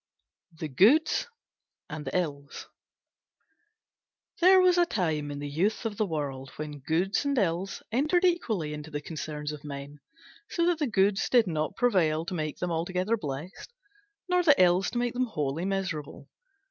THE GOODS AND THE ILLS There was a time in the youth of the world when Goods and Ills entered equally into the concerns of men, so that the Goods did not prevail to make them altogether blessed, nor the Ills to make them wholly miserable.